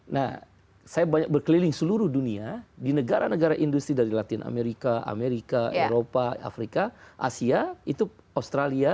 nah saya banyak berkeliling seluruh dunia di negara negara industri dari latin amerika amerika eropa afrika asia itu australia